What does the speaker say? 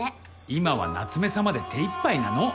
今は夏目さまで手いっぱいなの！